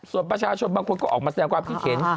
ส่วนประชาชนบางคนก็ออกมาแสดงความคิดเห็น